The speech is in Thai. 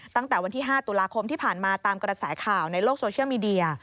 ตั้งแต่วันที่๕ตุลาคมที่ผ่านมาตามกระแสข่าวในโลกโซเชียลมีเดีย